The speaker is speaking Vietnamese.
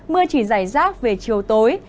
mưa chỉ rảy rác về chiều tối